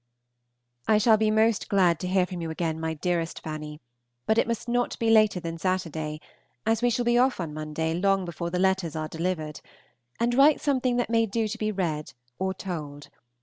I shall be most glad to hear from you again, my dearest Fanny, but it must not be later than Saturday, as we shall be off on Monday long before the letters are delivered; and write something that may do to be read or told.